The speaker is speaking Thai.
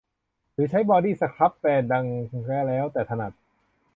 หรือใช้บอดี้สครับแบรนด์ดังก็แล้วแต่ถนัด